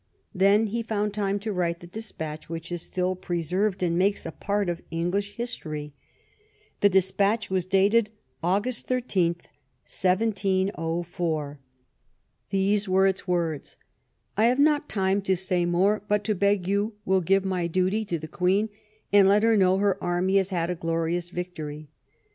Then he found time to write the despatch which is still preserved and makes a part of English history. The despatch was dated August 13, 1704. These were its words :" I have not time to say more, but to beg you will give my duty to the Queen, and let her know Her Army has had a Glorious Victory.